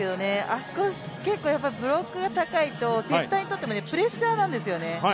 あそこ、結構ブロックが高いとセッターにとってもプレッシャーなんですよね。